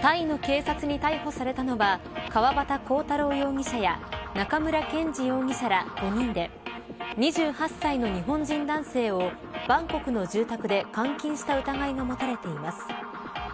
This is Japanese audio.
タイの警察に逮捕されたのは川端浩太郎容疑者や中村健二容疑者ら５人で２８歳の日本人男性をバンコクの住宅で監禁した疑いが持たれています。